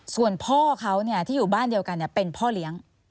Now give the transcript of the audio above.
ส่วนพ่อเขาที่อยู่บ้านเดียวกันเป็นพ่อเลี้ยง